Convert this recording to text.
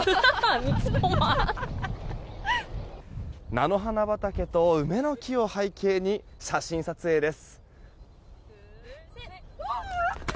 菜の花畑と梅の木を背景に写真撮影です。